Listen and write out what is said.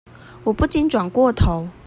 我不禁轉過頭